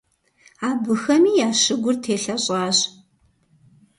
Абыхэми я щыгур телъэщӀащ.